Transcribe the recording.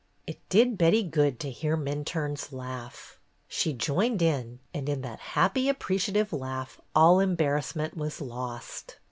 It did Betty good to hear Minturne's laugh. She joined in, and in that happy, appreciative laugh all embarrassment was lost.